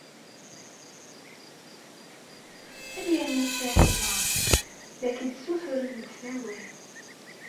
A Lyamin n Saɛid Waɛmeṛ, la k-id-ssuturen deg usawal.